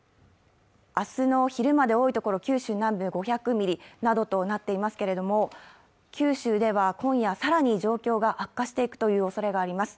明日の昼まで多い所、九州南部５００ミリなどとなっていますけれども、九州では今夜更に状況が悪化していくおそれがあります。